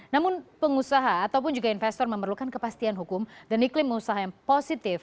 namun pengusaha ataupun juga investor memerlukan kepastian hukum dan iklim usaha yang positif